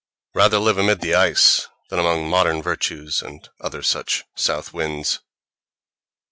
Rather live amid the ice than among modern virtues and other such south winds!...